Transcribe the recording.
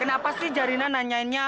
kenapa sih zarina nanyainnya